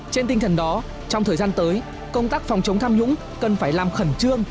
trên tinh thần đó trong thời gian tới công tác phòng chống tham nhũng cần phải làm khẩn trương